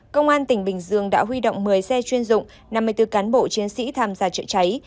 công an tỉnh bình dương đã huy động một mươi xe chuyên dụng năm mươi bốn cán bộ chiến sĩ tham gia chữa cháy